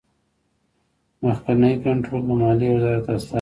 مخکینی کنټرول د مالیې وزارت استازی کوي.